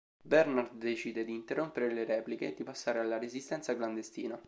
Bernard decide di interrompere le repliche e di passare alla Resistenza clandestina.